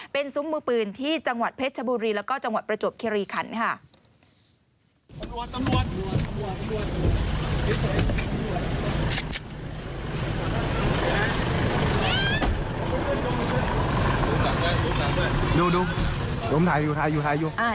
เป็นซุ้มมือปืนที่จังหวัดเพชรชบุรีแล้วก็จังหวัดประจวบคิริขันค่ะ